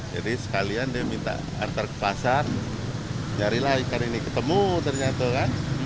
jadi sekalian dia minta antar ke pasar nyari lah ikan ini ketemu ternyata kan